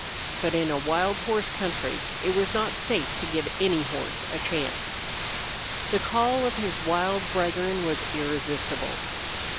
But in a wild horse country it was not safe to give any horse a chance. The call of his wild brethren was irresistible.